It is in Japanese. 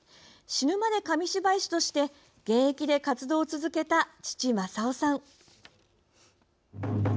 死ぬまで紙芝居師として現役で活動を続けた父・正雄さん。